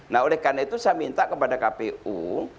nah oleh karena itu saya minta kepada kpu